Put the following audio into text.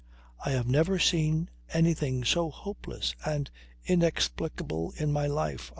"I have never seen anything so hopeless and inexplicable in my life.